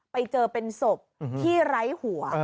ไปเจอเป็นศพที่ไร้หัว